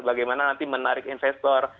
bagaimana nanti menarik investor